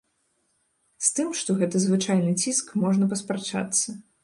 З тым, што гэта звычайны ціск, можна паспрачацца.